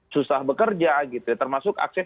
susah bekerja termasuk akses